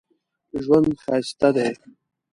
ژوند ښایسته دی